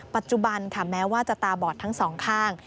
ปัจจุบันค่ะแม้ว่าจะตาบอดทั้งสองข้าง